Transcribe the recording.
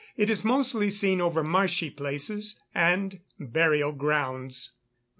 It is mostly seen over marshy places, and burial grounds.